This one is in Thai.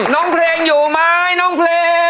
น้องเพลงอยู่ไหมน้องเพลง